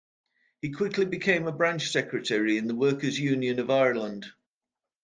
He quickly became a branch secretary in the Workers' Union of Ireland.